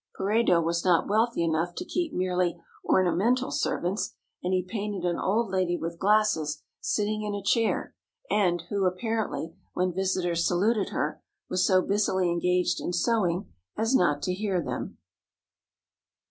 Peredo was not wealthy enough to keep merely ornamental servants, and he painted an old lady with glasses sitting in a chair, and who, apparently, when visitors saluted her, was so busily engaged in sewing as not to hear them.